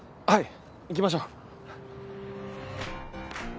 はい。